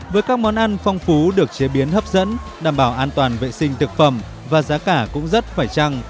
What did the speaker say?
với các món ăn phong phú được chế biến hấp dẫn đảm bảo an toàn vệ sinh thực phẩm và giá cả cũng rất phải trăng